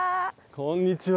こんにちは。